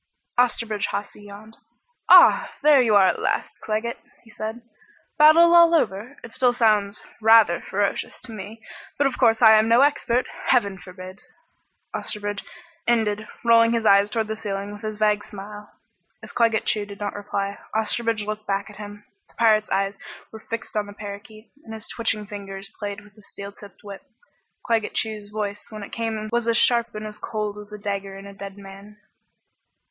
Osterbridge Hawsey yawned. "Ah there you are at last, Claggett," he said, "Battle all over? It still sounds rather ferocious, to me. But of course I am no expert. Heaven forbid!" Osterbridge ended, rolling his eyes toward the ceiling with his vague smile. As Claggett Chew did not reply, Osterbridge looked back at him. The pirate's eyes were fixed on the parakeet, and his twitching fingers played with the steel tipped whip. Claggett Chew's voice when it came was as sharp and as cold as a dagger in a dead man.